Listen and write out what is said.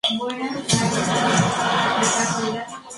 Más tarde compone canciones protesta en gallego.